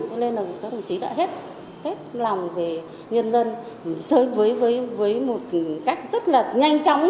cho nên là các bộ chính đã hết lòng về nhân dân với một cách rất là nhanh chóng